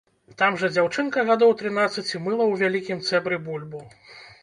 Там жа дзяўчынка гадоў трынаццаці мыла ў вялікім цэбры бульбу.